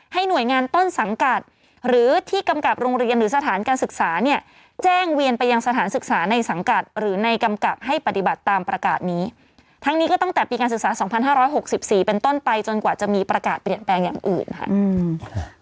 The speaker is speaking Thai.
หน่วยงานต้นสังกัดหรือที่กำกับโรงเรียนหรือสถานการศึกษาเนี่ยแจ้งเวียนไปยังสถานศึกษาในสังกัดหรือในกำกับให้ปฏิบัติตามประกาศนี้ทั้งนี้ก็ตั้งแต่ปีการศึกษา๒๕๖๔เป็นต้นไปจนกว่าจะมีประกาศเปลี่ยนแปลงอย่างอื่นค่ะ